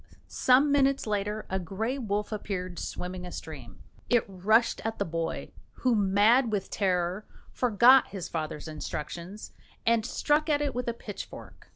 Some minutes later a grey wolf appeared, swimming a stream. It rushed at the boy, who, mad with terror, forgot his father's instructions, and struck at it with a pitchfork.